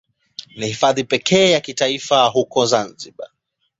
Ni Hifadhi pekee ya kitaifa huko Zanzibar.